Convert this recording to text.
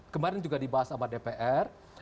kemarin juga dibahas sama dpr